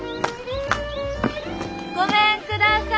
ごめんください。